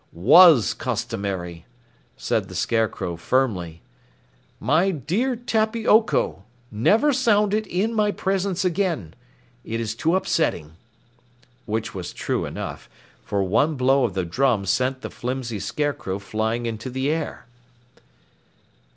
"Was customary," said the Scarecrow firmly. "My dear Tappy Oko, never sound it in my presence again; it is too upsetting." Which was true enough, for one blow of the drum sent the flimsy Scarecrow flying into the air.